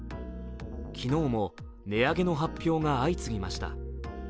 昨日も値上げの発表が相次ぎました。